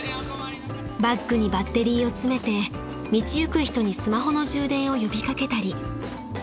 ［バッグにバッテリーを詰めて道行く人にスマホの充電を呼びかけたり］